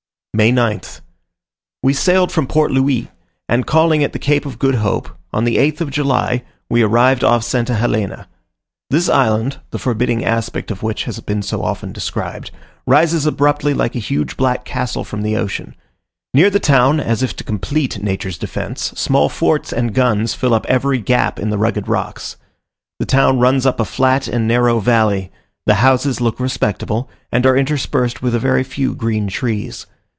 May 9th. We sailed from Port Louis, and, calling at the Cape of Good Hope, on the 8th of July, we arrived off St. Helena. This island, the forbidding aspect of which has been so often described, rises abruptly like a huge black castle from the ocean. Near the town, as if to complete nature's defence, small forts and guns fill up every gap in the rugged rocks. The town runs up a flat and narrow valley; the houses look respectable, and are interspersed with a very few green trees.